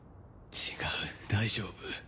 違う大丈夫。